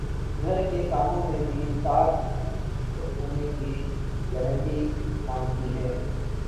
گھر کے کاموں میں بھی طاق ہونے کی گارنٹی مانگتی ہیں